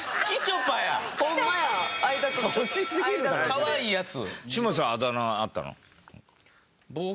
かわいいやつ。